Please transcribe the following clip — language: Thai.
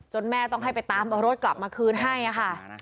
แม่ต้องให้ไปตามเอารถกลับมาคืนให้ค่ะ